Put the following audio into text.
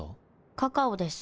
カカオです。